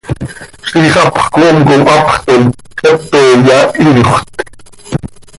Ziix hapx coom com hapx toom, xepe iyahiixöt.